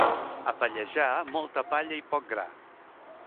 A Pallejà, molta palla i poc gra.